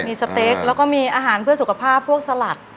มีสเต็กแล้วก็มีอาหารเพื่อสุขภาพพวกสลัด